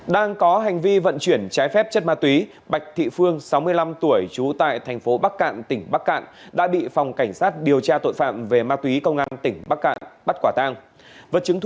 đang có hành vi vận chuyển trái phép chất ma túy bạch thị phương sáu mươi năm tuổi trú tại thành phố bắc cạn tỉnh bắc cạn đã bị phòng cảnh sát điều tra tội phạm về ma túy công an tỉnh bắc cạn bắt quả tang